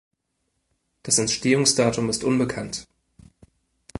Das Entstehungsdatum ist unbekannt.